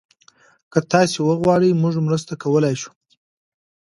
که تاسي وغواړئ، موږ مرسته کولی شو.